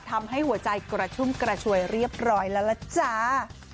ทำให้หัวใจกระชุ่มกระชวยเรียบร้อยแล้วล่ะจ้า